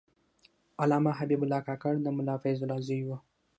علامه حبیب الله کاکړ د ملا فیض الله زوی و.